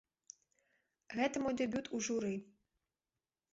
Гэта мой дэбют у журы.